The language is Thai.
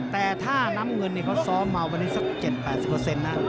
แต่ถ้าน้ำเงินเขาซ้อมมาวันนี้สัก๗๘๐นะ